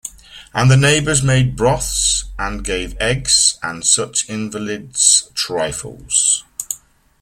And the neighbours made broths, and gave eggs, and such invalids’ trifles.